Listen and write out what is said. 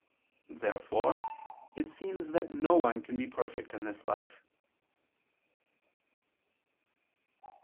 Therefore it seems that no one can be perfect in this life.